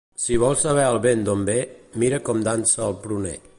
Si vols saber el vent d'on ve, mira com dansa el pruner.